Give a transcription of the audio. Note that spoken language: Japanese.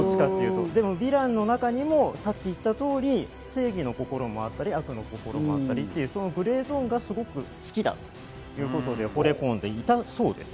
ヴィランの中にもさっき言ったとおり、正義の心もあったり、悪の心もあったり、グレーゾーンがすごく好きだということで惚れ込んでいたそうです。